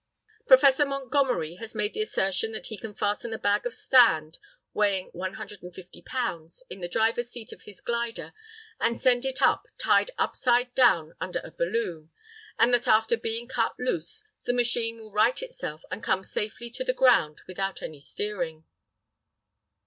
Professor Montgomery has made the assertion that he can fasten a bag of sand weighing 150 lbs. in the driver's seat of his glider, and send it up tied upside down under a balloon, and that after being cut loose, the machine will right itself and come safely to the ground without any steering.